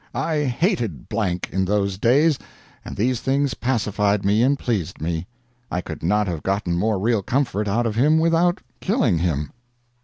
I hated in those days, and these things pacified me and pleased me. I could not have gotten more real comfort out of him without killing him.